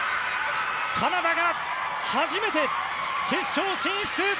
カナダが初めて決勝進出！